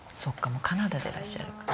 もうカナダでいらっしゃるから。